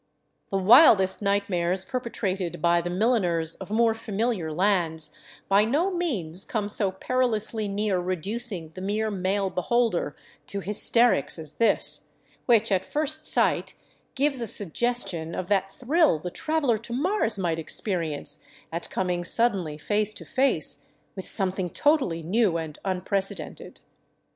The wildest nightmares perpetrated by the milliners of more familiar lands by no means come so perilously near reducing the mere male beholder to hysterics as this, which at first sight gives a suggestion of that thrill the traveler to Mars might experience at coming suddenly face to face with something totally new and unprecedented.